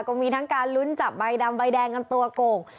ก็มีทั้งการลุ้นจับใบดำใบแดงกันตัวโก่ง